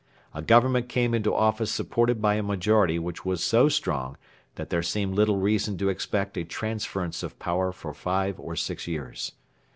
A Government came into office supported by a majority which was so strong that there seemed little reason to expect a transference of power for five or six years.